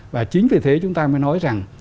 và chính vì thế chúng ta mới nói rằng